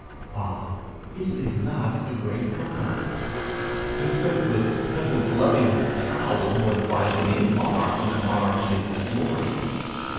Ah, he is not the great monarch! The simplest peasant loving his cow, is more divine than any monarch whose monarchy is his glory.